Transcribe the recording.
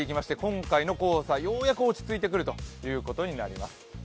今回の黄砂、ようやく落ち着いてくるということになります。